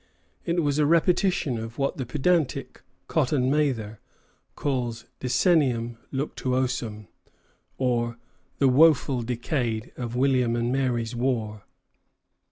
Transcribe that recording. It was a repetition of what the pedantic Cotton Mather calls Decennium luctuosum, or the "woful decade" of William and Mary's War.